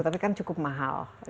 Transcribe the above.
tapi kan cukup mahal